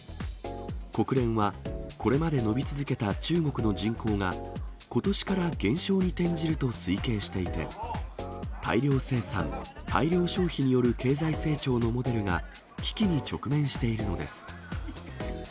国連は、これまで伸び続けた中国の人口が、ことしから減少に転じると推計していて、大量生産、大量消費による経済成長のモデルが危機に直面しているのです。